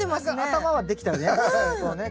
頭はできたよね。